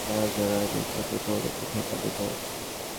নাদারাজনের মতো তোরও কোথাও পালিয়ে যাওয়া উচিত।